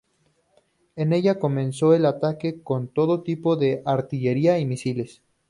En ella comienza el ataque con todo tipo de artillería y misiles.